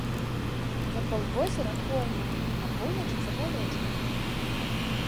Вакол возера пойма, на поўначы забалочаная.